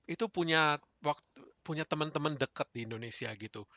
itu punya teman teman dekat di indonesia gitu